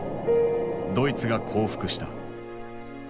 ドイツが降伏した。